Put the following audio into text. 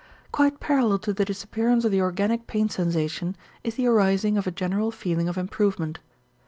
Quite parallel to the disappearance of the organic pain sensation is the arising of a general feeling of improvement.